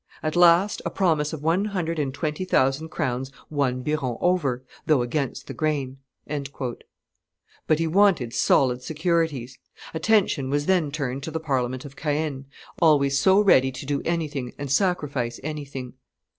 At last, a promise of one hundred and twenty thousand crowns won Biron over, though against the grain." But he wanted solid securities. Attention was then turned to the Parliament of Caen, always so ready to do anything and sacrifice anything.